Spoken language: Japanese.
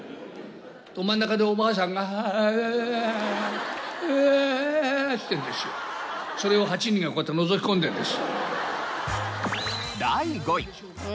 真ん中でおばあさんが「ああうあ」っつってるんですよ。それを８人がこうやってのぞき込んでるんです。